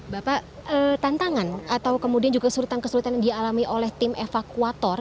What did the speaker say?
bapak tantangan atau kemudian juga surutan kesulitan yang dialami oleh tim evakuator